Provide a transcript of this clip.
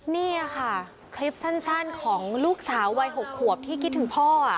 นี่ค่ะคลิปสั้นของลูกสาววัย๖ขวบที่คิดถึงพ่อ